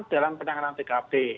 dalam penanganan tkp